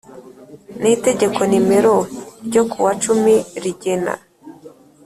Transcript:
n Itegeko nimero ryo kuwa cumi rigena